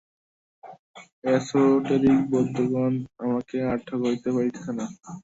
Esoteric বৌদ্ধগণ আমাকে আর ঠকাইতে পারিতেছে না।